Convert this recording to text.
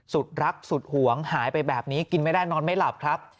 สุดรักสุดหวงหายไปแบบนี้กินไม่ได้นอนไม่หลับครับ